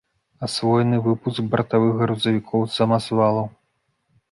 Асвоены выпуск бартавых грузавікоў, самазвалаў.